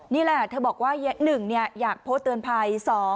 นี่แหละเธอบอกว่า๑อยากโพสต์เตือนภัย